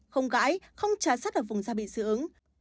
không gãi không trả rắt vào vùng da bị dị ứng